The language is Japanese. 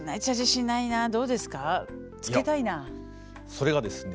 それがですね